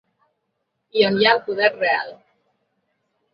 I on hi ha el poder real.